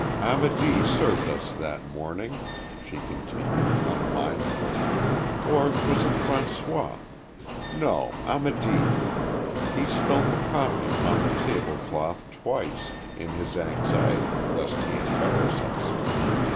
"Amedee served us that morning," she continued, unmindful; "or was it Francois? no, Amedee. He spilt the coffee upon the table cloth twice, in his anxiety lest he embarrass us.